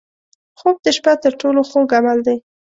خوب د شپه تر ټولو خوږ عمل دی